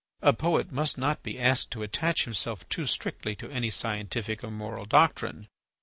A poet must not be asked to attach himself too strictly to any scientific or moral doctrine.